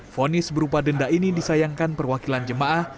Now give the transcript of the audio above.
fonis berupa denda ini disayangkan perwakilan jemaah